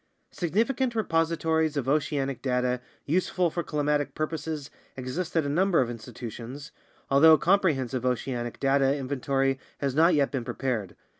Significant repositories of oceanic data useful for climatic purposes exist at a number of institutions, although a comprehensive oceanic data inventory has not yet been prepared.